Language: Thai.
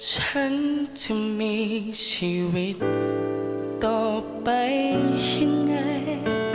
ฉันจะมีชีวิตต่อไปยังไง